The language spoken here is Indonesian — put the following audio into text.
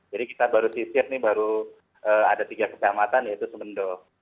jadi kita baru sisir ini baru ada tiga kedamaian yaitu semendo